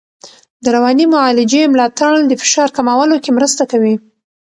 د رواني معالجې ملاتړ د فشار کمولو کې مرسته کوي.